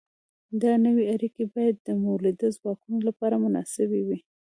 دا نوې اړیکې باید د مؤلده ځواکونو لپاره مناسبې وي.